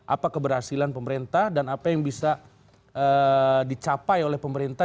apa keberhasilan pemerintah dan apa yang bisa dicapai oleh pemerintah